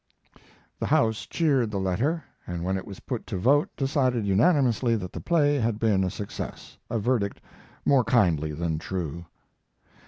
The house cheered the letter, and when it was put to vote decided unanimously that the play had been a success a verdict more kindly than true.